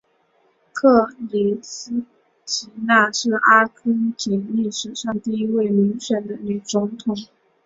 克里斯蒂娜是阿根廷历史上第一位民选的女总统。